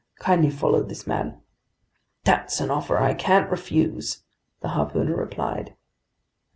"Kindly follow this man." "That's an offer I can't refuse!" the harpooner replied.